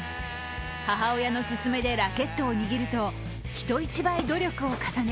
母親の勧めでラケットを握ると人一倍努力を重ね